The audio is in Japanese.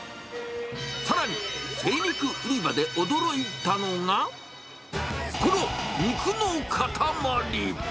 さらに、精肉売り場で驚いたのが、この肉の塊。